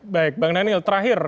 baik bang daniel terakhir